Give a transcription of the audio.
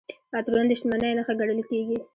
عطرونه د شتمنۍ نښه ګڼل کیږي.